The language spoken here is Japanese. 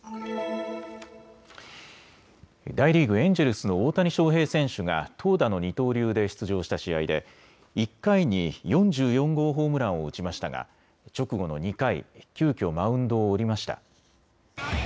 大リーグ、エンジェルスの大谷翔平選手が投打の二刀流で出場した試合で１回に４４号ホームランを打ちましたが直後の２回、急きょマウンドを降りました。